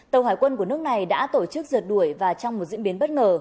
tàu hải quân của nước này đã tổ chức rượt đuổi và trong một diễn biến bất ngờ